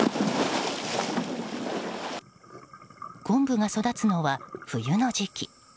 昆布が育つのは冬の時期。